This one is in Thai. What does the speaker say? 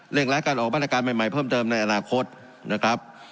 ร้ายการออกมาตรการใหม่เพิ่มเติมในอนาคตนะครับ